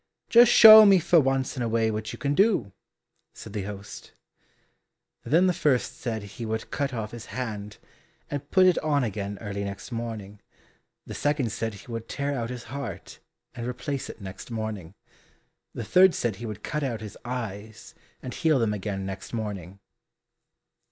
"Just show me for once in a way what you can do," said the host. Then the first said he would cut off his hand, and put it on again early next morning; the second said he would tear out his heart, and replace it next morning; the third said he would cut out his eyes and heal them again next morning.